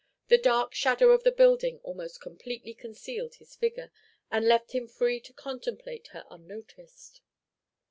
The dark shadow of the building almost completely concealed his figure, and left him free to contemplate her unnoticed.